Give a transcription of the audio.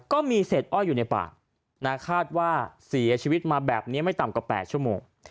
ก็มีเศษอ้อยอยู่ในป่าคาดว่าเสียชีวิตมาแบบนี้ไม่ต่ำกว่า๘ชั่วโมง